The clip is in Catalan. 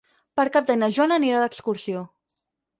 Per Cap d'Any na Joana anirà d'excursió.